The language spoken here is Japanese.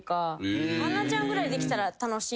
杏奈ちゃんぐらいできたら楽しい。